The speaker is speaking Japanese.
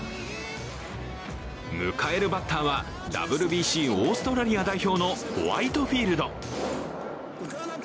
迎えるバッターはＷＢＣ・オーストラリア代表のホワイトフィールド。